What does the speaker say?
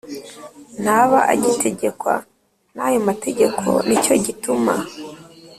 ntaba agitegekwa n ayo mategeko ni cyo gituma